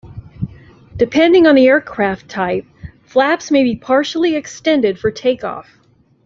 Depending on the aircraft type, flaps may be partially extended for takeoff.